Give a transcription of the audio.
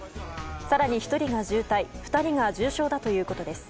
更に１人が重体１人が重傷だということです。